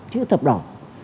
chữ thập đỏ